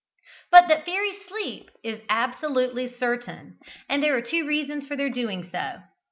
But that fairies sleep is absolutely certain, and there are two reasons for their doing so.